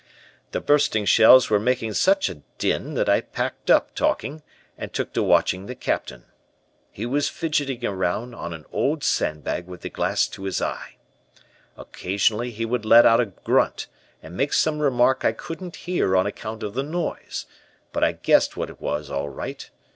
"The bursting shells were making such a din that I packed up talking and took to watching the Captain. He was fidgeting around on an old sandbag with the glass to his eye. Occasionally he would let out a grunt, and make some remark I couldn't hear on account of the noise, but I guessed what it was all right.